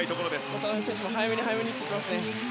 渡邊選手も早めに早めにと言っていますね。